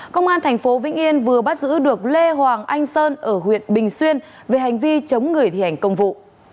công an tp vĩnh yên vừa bắt giữ được lê hoàng anh sơn ở huyện bình xuyên về hành vi chống người thi hành công vụ